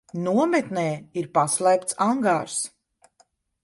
Nometnē ir paslēpts angārs.